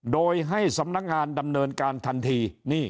โดยให้สำนักงานดำเนินการทันที